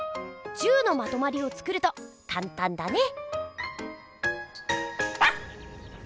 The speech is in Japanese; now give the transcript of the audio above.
１０のまとまりを作るとかんたんだね！